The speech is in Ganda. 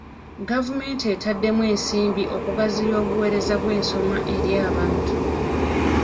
Gavumenti etaddemu ensimbi okugaziya obuweereza bw'ensoma eri abantu.